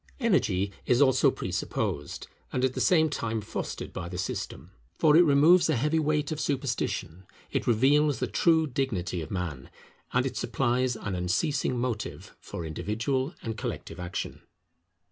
Energy is also presupposed, and at the same time fostered, by the system. For it removes a heavy weight of superstition, it reveals the true dignity of man, and it supplies an unceasing motive for individual and collective action.